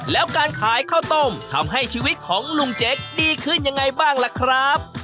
แล้วการขายข้าวต้มทำให้ชีวิตของลุงเจ๊กดีขึ้นยังไงบ้างล่ะครับ